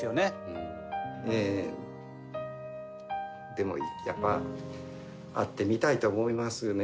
でもやっぱ会ってみたいと思いますね。